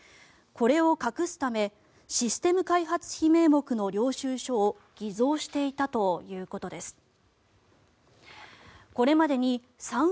これを隠すためシステム開発費名目の領収書を偽造していたということです。